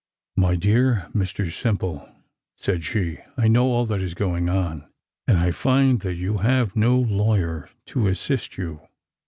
"My dear Mr Simple," said she, "I know all that is going on, and I find that you have no lawyer to assist you.